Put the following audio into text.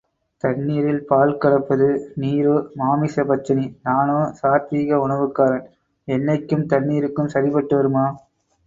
தண்ணீரில் பால் கலப்பது நீரோ மாமிச பட்சணி, நானோ சாத்வீக உணவுக்காரன், எண்ணெய்க்கும் தண்ணீருக்கும் சரிபட்டு வருமா?